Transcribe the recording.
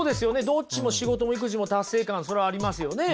どっちも仕事も育児も達成感それはありますよね。